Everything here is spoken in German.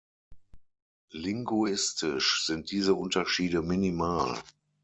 Linguistisch sind diese Unterschiede minimal.